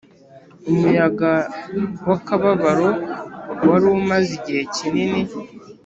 umuyaga w'akababaro wari umaze igihe kinini